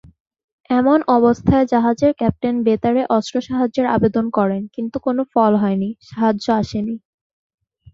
এমন অবস্থায় জাহাজের ক্যাপ্টেন বেতারে অস্ত্র সাহায্যের আবেদন করেন কিন্তু কোনো ফল হয়নি, সাহায্য আসেনি।